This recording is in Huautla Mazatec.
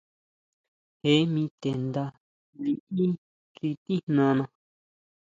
Jee mi te nda liʼí xi tijnana.